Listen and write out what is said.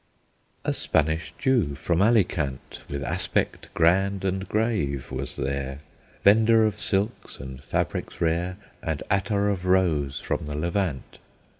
A Spanish Jew from Alicant With aspect grand and grave was there; Vender of silks and fabrics rare, And attar of rose from the Levant.